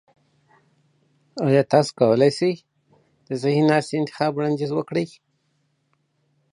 ایا تاسو کولی شئ د صحي ناستي انتخاب وړاندیز وکړئ؟